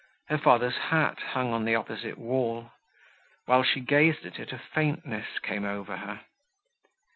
Her father's hat hung upon the opposite wall; while she gazed at it, a faintness came over her.